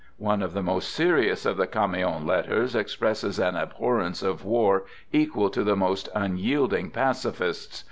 One of the most serious of the " Camion Letters " expresses an abhorrence of war equal to the most unyielding pacifist's.